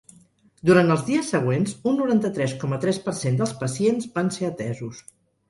Durant els dies següents, un noranta-tres coma tres per cent dels pacients van ser atesos.